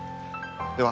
では。